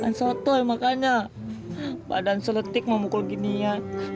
jangan sotol makanya badan seletik memukul gini ya